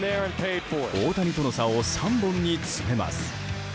大谷との差を３本に詰めます。